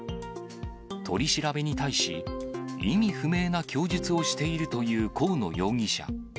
取り調べに対し、意味不明な供述をしているという河野容疑者。